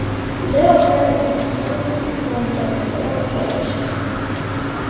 Leo trained his sons to become baseball players.